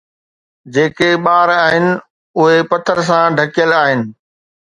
جيڪي ٻار آهن، اهي پٿر سان ڍڪيل آهن